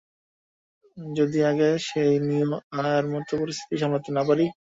যদি আগের সেই নিও এর মতো পরিস্থিতি সামলাতে না পারি?